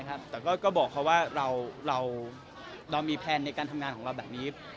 แต่ก็บอกเขาว่าเรามีแพลนในการทำงานของเราแบบนี้